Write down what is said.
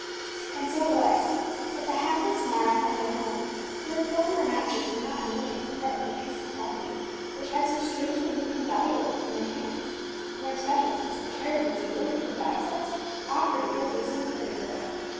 And so it was that the hapless Mara found a home, for her former masters were not unwilling to part with a piece of property which had so strangely become valueless in their hands, more especially since the charitable dealer in dye stuffs offered a goodly sum for the girl.